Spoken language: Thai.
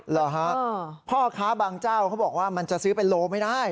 เหรอฮะพ่อค้าบางเจ้าเขาบอกว่ามันจะซื้อเป็นโลไม่ได้